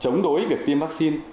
chống đối việc tiêm vaccine